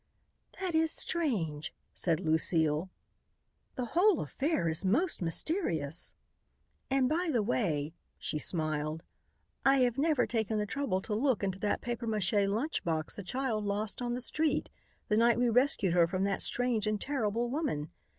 "That is strange!" said Lucile. "The whole affair is most mysterious! And, by the way," she smiled, "I have never taken the trouble to look into that papier mache lunch box the child lost on the street, the night we rescued her from that strange and terrible woman.